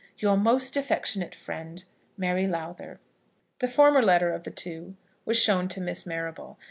Your most affectionate friend, MARY LOWTHER. The former letter of the two was shown to Miss Marrable.